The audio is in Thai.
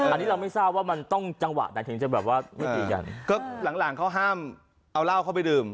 อันนี้เราไม่ทราบว่ามันต้องจังหวะไหนถึงจะแบบว่าไม่ตีกันก็หลังหลังเขาห้ามเอาเหล้าเข้าไปดื่ม